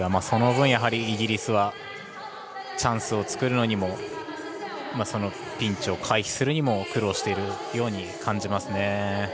その分、イギリスはチャンスを作るのにもそのピンチを回避するにも苦労しているように感じますね。